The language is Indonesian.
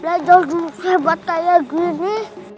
bladar juga hebat kayak gini